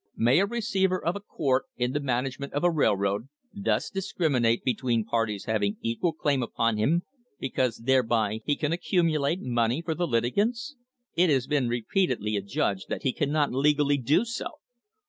May a receiver of a court, in the management of a railroad, thus discriminate between parties having equal claim upon him, because thereby he can accumulate money for the litigants ? It has been repeatedly adjudged that he cannot legally do so.